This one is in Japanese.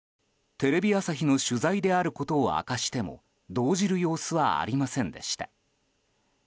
テレビ朝日の取材であることを明かしても動じる様子はありませんでした。